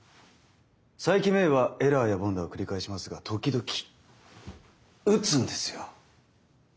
佐伯芽依はエラーや凡打を繰り返しますが時々打つんですよ。